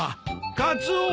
カツオ！